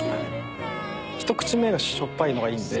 ひと口目がしょっぱいのがいいんで。